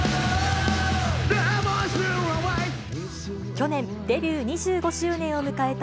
去年、デビュー２５周年を迎えた